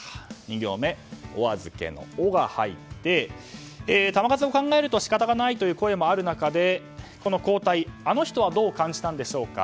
２行目はお預けの「オ」が入って球数を考えると仕方ないという声がある中でこの交代あの人はどう感じたんでしょうか。